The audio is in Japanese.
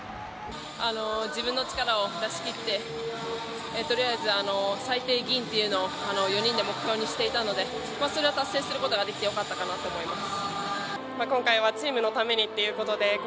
自分の力を出しきって、とりあえず最低、銀というのを４人で目標にしていたのでそれは達成することができてよかったかなと思います。